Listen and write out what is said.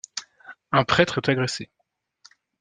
Un prêtre est agressé.